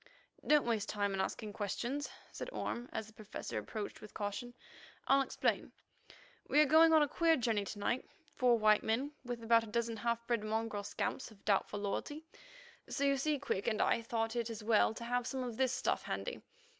"Don't waste time in asking questions," said Orme as the Professor approached with caution. "I'll explain. We are going on a queer journey to night—four white men with about a dozen half bred mongrel scamps of doubtful loyalty, so you see Quick and I thought it as well to have some of this stuff handy.